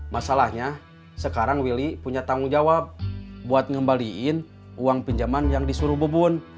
masalahnya sekarang willy punya tanggung jawab buat ngembaliin uang pinjaman yang disuruh bebun